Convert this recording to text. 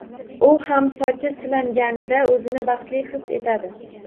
U ham sochi silanganida oʻzini baxtli his etadi.